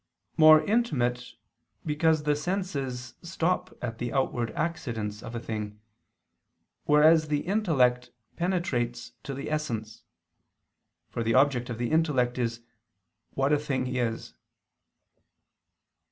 More intimate, because the senses stop at the outward accidents of a thing, whereas the intellect penetrates to the essence; for the object of the intellect is "what a thing is."